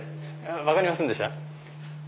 分かりませんでした？